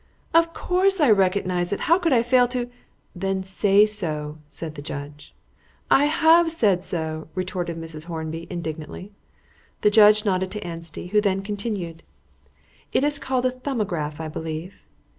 "Of course I recognise it. How could I fail to " "Then say so," said the judge. "I have said so," retorted Mrs. Hornby indignantly. The judge nodded to Anstey, who then continued "It is called a 'Thumbograph,' I believe."